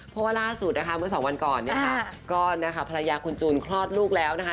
เพราะว่าล่าสุดนะคะเมื่อสองวันก่อนเนี่ยค่ะก็นะคะภรรยาคุณจูนคลอดลูกแล้วนะคะ